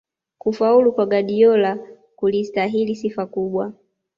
kufaulu kwa guardiola kulistahili sifa kubwa